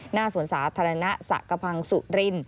หน้าสวนสาธารณะสะกระพังสุริน